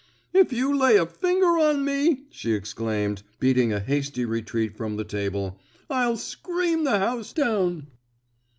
"If you lay a finger on me," she exclaimed, beating a hasty retreat from the table, "I'll scream the house down!"